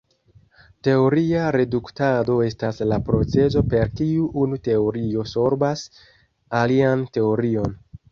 Teoria reduktado estas la procezo per kiu unu teorio sorbas alian teorion.